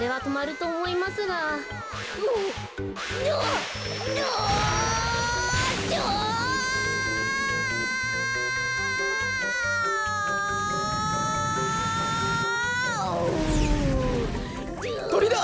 とりだ！